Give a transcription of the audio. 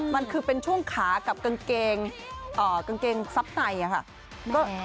มันคือเป็นช่วงขากับกางเกงซับในค่ะ